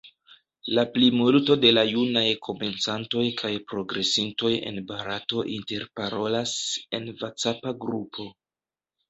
La plimulto de la junaj komencantoj kaj progresintoj en Barato interparolas en vacapa grupo.